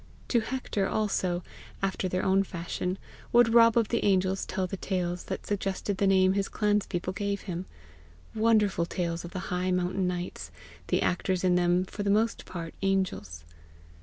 To Hector also, after their own fashion, would Rob of the Angels tell the tales that suggested the name his clanspeople gave him wonderful tales of the high mountain nights, the actors in them for the most part angels.